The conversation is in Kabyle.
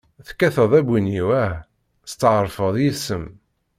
Tekkateḍ abunyiw ah! Setɛerfeɣ yis-m.